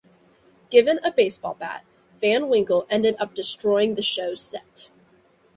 Given a baseball bat, Van Winkle ended up destroying the show's set.